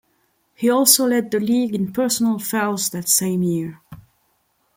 He also led the league in personal fouls that same year.